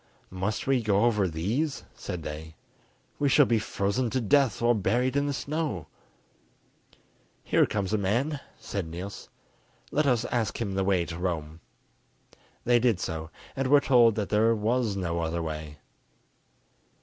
"Must we go over these?" said they. "We shall be frozen to death or buried in the snow." "Here comes a man," said Niels; "let us ask him the way to Rome." They did so, and were told that there was no other way.